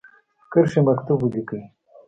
کرښې مکتوب ولیکی.